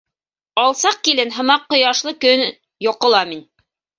Алсаҡ килен һымаҡ, ҡояшлы көн Йоҡола мин.